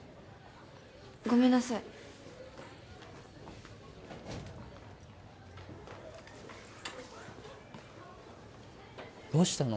ごめんなさいどうしたの？